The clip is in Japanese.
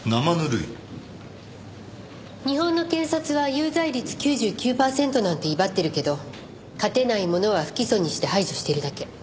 日本の検察は有罪率９９パーセントなんて威張ってるけど勝てないものは不起訴にして排除してるだけ。